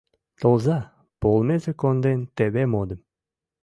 Толза! — полмезе конден теве модым